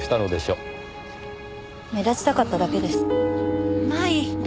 目立ちたかっただけです。